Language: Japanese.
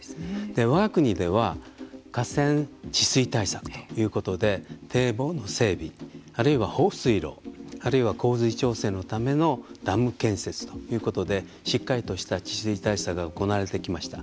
わが国では河川治水対策ということで堤防の整備、あるいは放水路あるいは洪水調整のためのダム建設ということでしっかりとした治水対策が行われてきました。